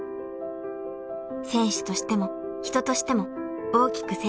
［選手としても人としても大きく成長しました］